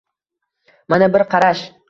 Mana, bir qarash